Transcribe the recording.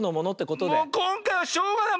もうこんかいはしょうがない。